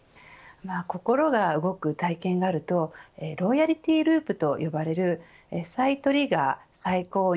心が動く体験があるとロイヤルティーループと呼ばれる再トリガー、再購入